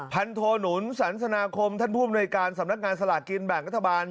ผันโทหนุนสรรสนาคมท่านผู้บริการสำนักงานสลากินแบ่งกฎาบาล